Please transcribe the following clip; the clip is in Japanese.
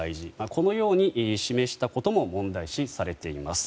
このように示したことも問題視されています。